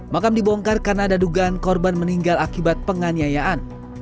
makam dibongkar karena ada dugaan korban meninggal akibat penganiayaan